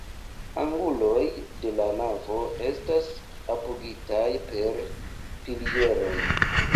Anguloj de la navo estas apogitaj per pilieroj.